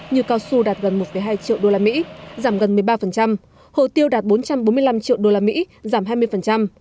như cao su đạt gần một hai triệu đô la mỹ giảm gần một mươi ba hồ tiêu đạt bốn trăm bốn mươi năm triệu đô la mỹ giảm hai mươi